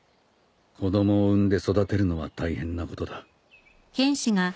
子供を産んで育てるのは大変なことだ。